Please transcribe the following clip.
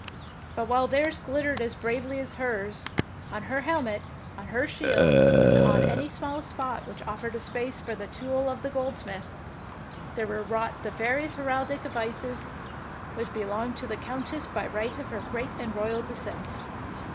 But while theirs glittered as bravely as hers, on her hel met, on her shield, and on any smallest spot which offered a space for the tool of the goldsmith, there were wrought the various heraldic devices which be longed to the Countess by right of her great and royal descent.